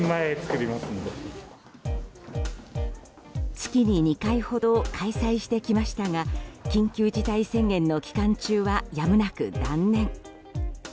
月に２回ほど開催してきましたが緊急事態宣言の期間中はやむなく断念。